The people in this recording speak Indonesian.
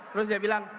terus dia bilang